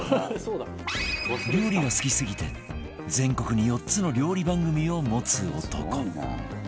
料理が好きすぎて全国に４つの料理番組を持つ男